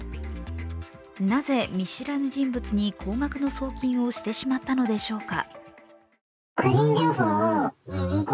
なぜ見知らぬ人物に高額の送金をしてしまったのでしょうか。